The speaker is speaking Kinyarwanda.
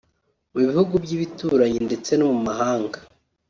mu bihugu by’ibituranyi ndetse no mu mahanga